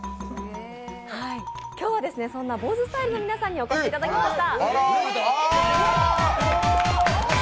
今日はそんなＢＯＺＥＳＴＹＬＥの皆さんにお越しいただきました。